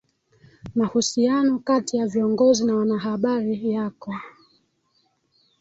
mahusiano kati ya viongozi na wanahabari yako